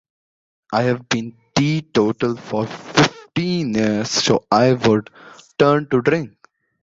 I have been teetotal for fifteen years, so I would turn to drink.